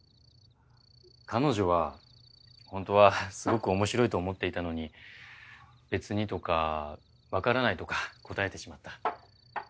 彼女は本当はすごくおもしろいと思っていたのに「別に」とか「わからない」とか答えてしまった。